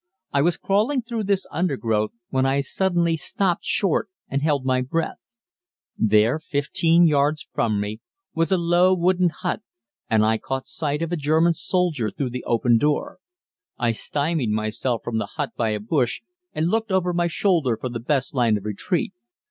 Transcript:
I was crawling through this undergrowth when I suddenly stopped short and held my breath. There, 15 yards from me, was a low wooden hut and I caught sight of a German soldier through the open door. I stymied myself from the hut by a bush and looked over my shoulder for the best line of retreat.